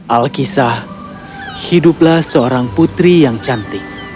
alkisah hiduplah seorang putri yang cantik